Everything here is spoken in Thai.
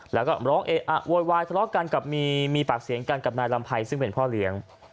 แล้วก็ร้องเอะอะโวยวายทะเลาะกันกับมีปากเสียงกันกับนายลำไพรซึ่งเป็นพ่อเลี้ยง